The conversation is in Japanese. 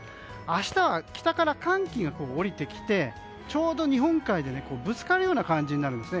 明日は北から寒気が下りてきてちょうど日本海でぶつかるような形になるんです。